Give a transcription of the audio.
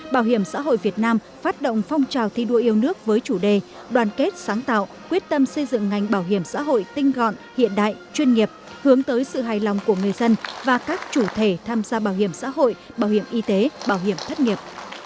bảo hiểm xã hội việt nam phát động phong trào thi đua yêu nước với chủ đề đoàn kết sáng tạo quyết tâm xây dựng ngành bảo hiểm xã hội tinh gọn hiện đại chuyên nghiệp hướng tới sự hài lòng của người dân và các chủ thể tham gia bảo hiểm xã hội bảo hiểm y tế bảo hiểm thất nghiệp